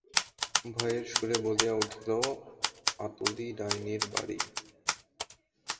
ভয়ের সুরে বলিয়া উঠিল-আতুরী ডাইনির বাড়ি!